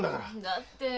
だって。